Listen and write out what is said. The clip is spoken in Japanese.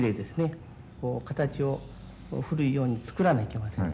こう形を古いように作らないけません。